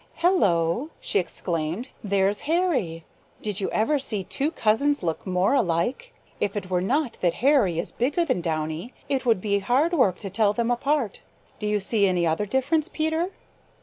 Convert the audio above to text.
"Hello!" she exclaimed. "There's Hairy. Did you ever see two cousins look more alike? If it were not that Hairy is bigger than Downy it would be hard work to tell them apart. Do you see any other difference, Peter?"